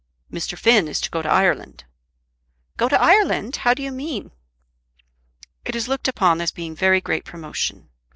"Mr. Finn is to go to Ireland." "Go to Ireland! How do you mean?" "It is looked upon as being very great promotion.